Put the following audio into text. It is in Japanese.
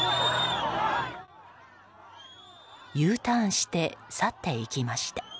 Ｕターンして去っていきました。